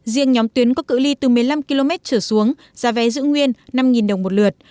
riêng nhóm tuyến có cự li từ một mươi năm km trở xuống giá vé giữ nguyên năm đồng một lượt